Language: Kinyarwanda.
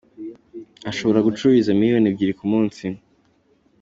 Ashobora gucuruza miliyoni ebyiri ku munsi.